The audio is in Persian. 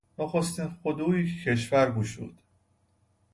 نخستین خدیوی که کشور گشود...